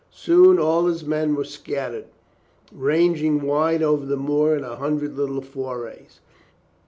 Soon all his men were scattered, ranging wide over the moor in a hundred little forays.